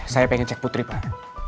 saya pengen cek putri pak